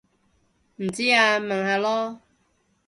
唔知啊問下囉